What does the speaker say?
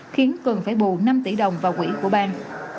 khiến cường phải bù năm tỷ đồng vào quỹ của ban